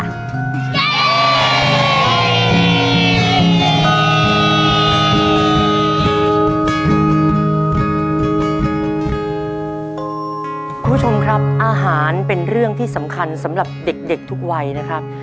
คุณผู้ชมครับอาหารเป็นเรื่องที่สำคัญสำหรับเด็กทุกวัยนะครับ